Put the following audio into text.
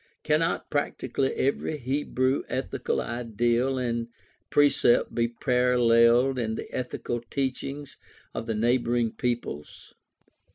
Cannot practically every Hebrew ethical ideal and precept be paralleled in the ethical teachings of the neighboring peoples